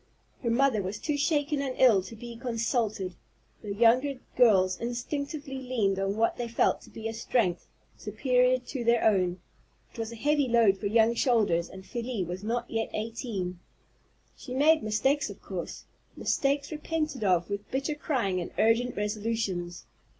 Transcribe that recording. Her mother was too shaken and ill to be consulted, the younger girls instinctively leaned on what they felt to be a strength superior to their own. It was a heavy load for young shoulders, and Felie was not yet eighteen! She made mistakes of course, mistakes repented of with bitter crying and urgent resolutions.